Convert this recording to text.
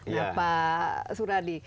iya pak suradi